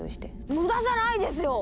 無駄じゃないですよ！